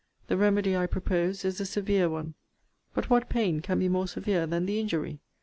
The remedy I propose is a severe one: But what pain can be more severe than the injury?